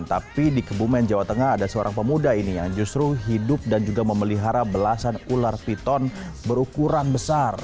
tapi di kebumen jawa tengah ada seorang pemuda ini yang justru hidup dan juga memelihara belasan ular piton berukuran besar